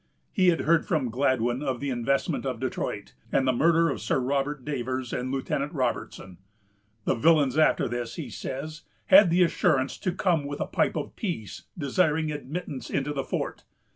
He had heard from Gladwyn of the investment of Detroit, and the murder of Sir Robert Davers and Lieutenant Robertson. "The villains after this," he says, "had the assurance to come with a Pipe of Peace, desiring admittance into the fort."